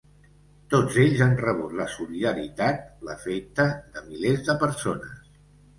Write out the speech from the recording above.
Tots ells han rebut la solidaritat, l’afecte, de milers de persones.